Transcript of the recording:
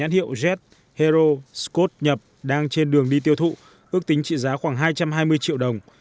tiệu jet hero scott nhập đang trên đường đi tiêu thụ ước tính trị giá khoảng hai trăm hai mươi triệu đồng